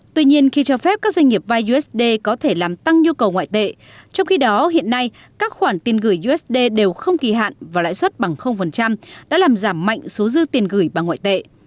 tuy nhiên khi cho phép các doanh nghiệp vusd có thể làm tăng nhu cầu ngoại tệ trong khi đó hiện nay các khoản tiền gửi usd đều không kỳ hạn và lãi suất bằng đã làm giảm mạnh số dư tiền gửi bằng ngoại tệ